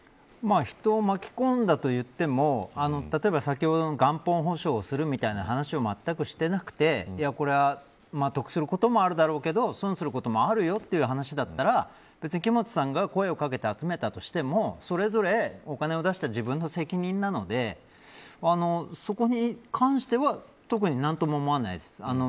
人を巻き込んだと言っても例えば、先ほどの元本保証をするみたいな話を全くしていなくて得することもあるだろうけど損することもあるという話だったら別に木本さんが声を掛けて集めたとしてもそれぞれお金を出した自分の責任なのでそこに関しては特に何とも思わないです。